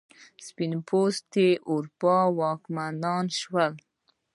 سپین پوسته اروپایان واکمن شول.